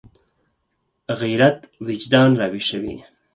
غیرت وجدان راویښوي